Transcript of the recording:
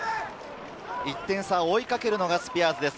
１点差を追いかけるのがスピアーズです。